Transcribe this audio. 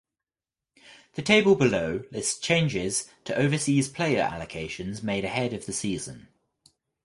The table below lists changes to overseas player allocations made ahead of the season.